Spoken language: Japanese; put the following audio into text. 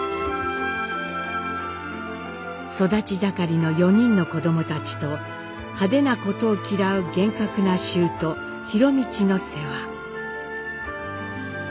育ち盛りの４人の子どもたちと派手なことを嫌う厳格なしゅうと博通の世話。